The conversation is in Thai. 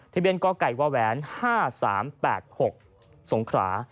ที่เป็นก้อกัยวาแวน๕๓๘๖สงขรา